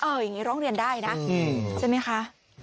เอออย่างงี้ร้องเรียนได้นะใช่มั้ยคะ